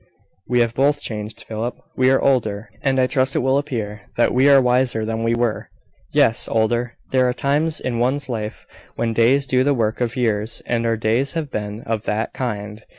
"We are both changed, Philip. We are older, and I trust it will appear that we are wiser than we were. Yes, older. There are times in one's life when days do the work of years and our days have been of that kind.